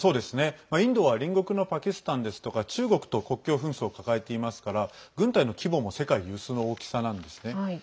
インドは隣国のパキスタンですとか中国と国境紛争を抱えていますから軍隊の規模も世界有数の大きさなんですね。